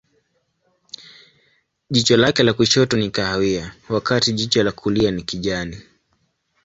Jicho lake la kushoto ni kahawia, wakati jicho la kulia ni kijani.